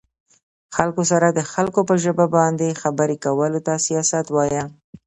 خلکو سره د خلکو په ژبه باندې خبرې کولو ته سياست وايه